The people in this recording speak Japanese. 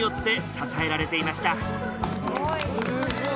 すごい！